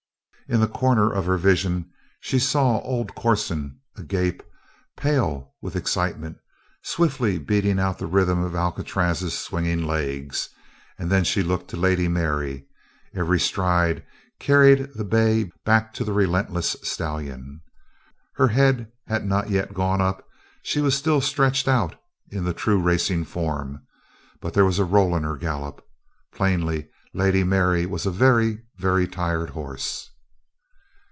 In the corner of her vision she saw old Corson, agape, pale with excitement, swiftly beating out the rhythm of Alcatraz's swinging legs; and then she looked to Lady Mary. Every stride carried the bay back to the relentless stallion. Her head had not yet gone up; she was still stretched out in the true racing form; but there was a roll in her gallop. Plainly Lady Mary was a very, very tired horse.